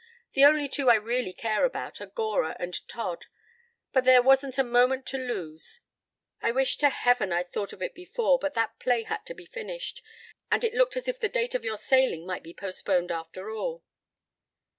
The only two I really care about are Gora and Todd. But there wasn't a moment to lose. I wish to heaven I'd thought of it before, but that play had to be finished, and it looked as if the date of your sailing might be postponed, after all."